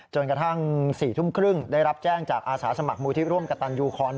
จนกระทั่ง๔ทุ่มครึ่งได้รับแจ้งจากอาสาสมัครมูลที่ร่วมกระตันยูคอน